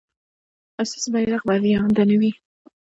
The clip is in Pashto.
ایا ستاسو بیرغ به رپانده نه وي؟